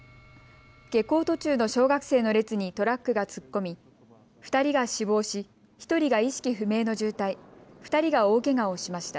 下校途中の小学生の列にトラックが突っ込み２人が死亡し、１人が意識不明の重体、２人が大けがをしました。